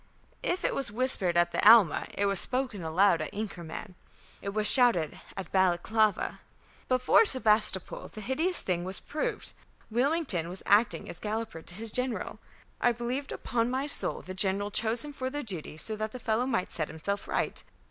If it was whispered at the Alma, it was spoken aloud at Inkermann, it was shouted at Balaclava. Before Sebastopol the hideous thing was proved. Wilmington was acting as galloper to his general. I believe upon my soul the general chose him for the duty, so that the fellow might set himself right.